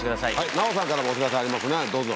奈緒さんからもお知らせがありますねどうぞ。